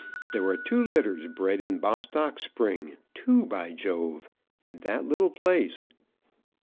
There were two litters bred in Bostock Spring; two, by Jove! in that little place.